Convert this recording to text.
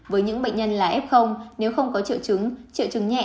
với những bệnh nhân là f nếu không có triệu chứng triệu chứng nhẹ